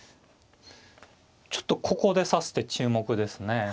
ちょっとここで指す手注目ですね。